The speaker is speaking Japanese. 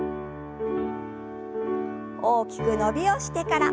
大きく伸びをしてから。